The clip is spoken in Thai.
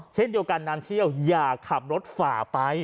เช่นเดียวกันน้ำเที่ยวอย่าขับรถฝ่าไป